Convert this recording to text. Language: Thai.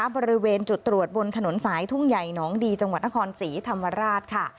บริเวณจุดตรวจบนถนนสายทุ่งใหญ่หนองดีจังหวัดนครศรีธรรมราชค่ะ